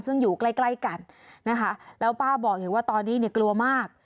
ซึ่งอยู่ใกล้กันนะคะแล้วป้าบอกให้ว่าตอนนี้กลัวมาก